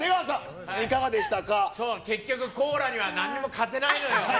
結局、コーラにはなんにも勝てないのよ。